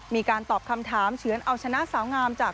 มีการตอบคำถามเฉือนเอาชนะสาวงามจาก